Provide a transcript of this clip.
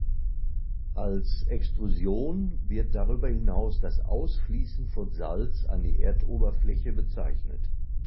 Als Extrusion wird darüber hinaus das Ausfließen von Salz an die Erdoberfläche bezeichnet.